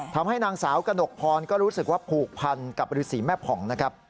ทำให้นางสาวกระหนกพรก็รู้สึกว่าผูกพันกับฤษีแม่ผ่องนะครับ